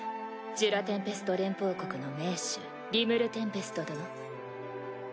ジュラ・テンペスト連邦国の盟主リムル＝テンペスト殿。